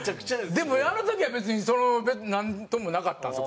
でもあの時は別になんともなかったんですよ